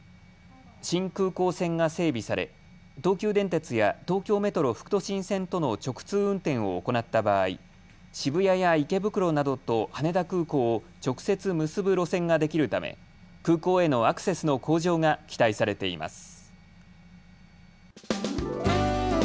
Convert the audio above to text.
新空港線が整備され東急電鉄や東京メトロ副都心線との直通運転を行った場合渋谷や池袋などと羽田空港を直接結ぶ路線ができるため空港へのアクセスの向上が期待されています。